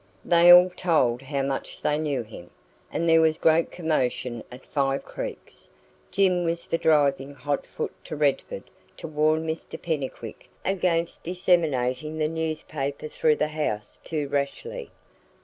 They all told how much they knew him; and there was great commotion at Five Creeks. Jim was for driving hot foot to Redford to warn Mr Pennycuick against disseminating the newspaper through the house too rashly.